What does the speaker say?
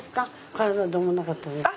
体どうもなかったですか？